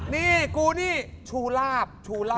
นี่กูนี่ชูลาบ